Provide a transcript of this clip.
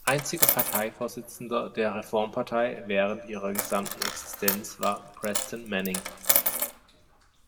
Einziger Parteivorsitzender der Reformpartei während ihrer gesamten Existenz war Preston Manning.